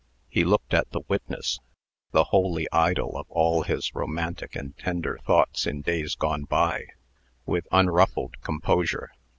He looked at the witness the holy idol of all his romantic and tender thoughts in days gone by with unruffled composure.